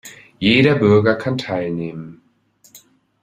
Jeder Bürger kann teilnehmen.